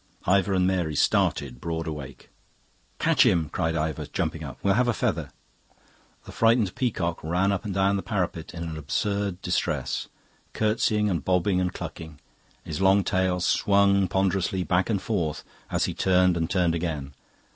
Ivor and Mary started broad awake. "Catch him!" cried Ivor, jumping up. "We'll have a feather." The frightened peacock ran up and down the parapet in an absurd distress, curtseying and bobbing and clucking; his long tail swung ponderously back and forth as he turned and turned again.